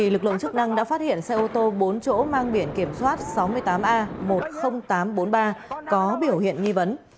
lực lượng chức năng đã phát hiện xe ô tô bốn chỗ mang biển kiểm soát sáu mươi tám a một mươi nghìn tám trăm bốn mươi ba có biểu hiện nghi vấn